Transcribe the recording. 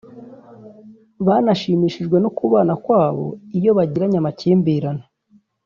banashimishijwe n’ukubana kwabo iyo bagiranye amakimbirane